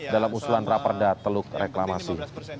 dalam usulan rapor dan teluk reklamasi